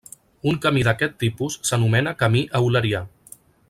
Un camí d'aquest tipus s'anomena camí eulerià.